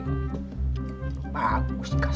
hai bagus kasih meng argent